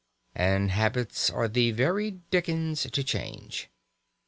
And habits are the very dickens to change!